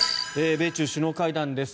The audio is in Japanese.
米中首脳会談です。